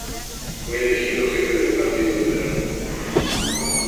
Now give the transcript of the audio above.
Fue elegido jefe del Partido Liberal.